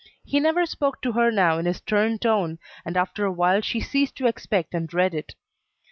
He never spoke to her now in his stern tone, and after a while she ceased to expect and dread it.